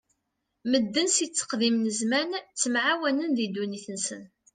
Medden si tteqdim n zzman ttemɛawanen di ddunit-nsen.